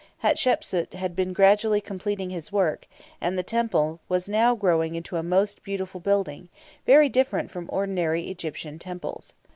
Hatshepsut had been gradually completing his work, and the temple was now growing into a most beautiful building, very different from ordinary Egyptian temples.